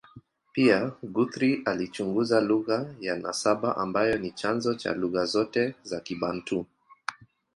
Pia, Guthrie alichunguza lugha ya nasaba ambayo ni chanzo cha lugha zote za Kibantu.